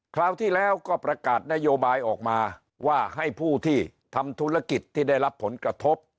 คราวที่แล้วก็ประกาศนโยบายออกมาว่าให้ผู้ที่ทำธุรกิจที่ได้รับผลกระทบ